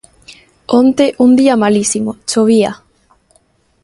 Onte, un día malísimo, chovía.